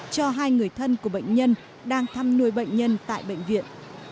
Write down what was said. cho hai người thân của bệnh nhân đang thăm nuôi bệnh nhân tại bệnh viện